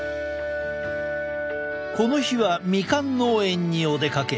この日はミカン農園にお出かけ。